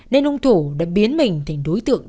nên ông thủ đã biến mình thành đối tượng